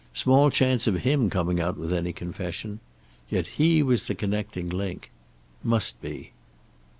Small chance of him coming out with any confession. Yet he was the connecting link. Must be.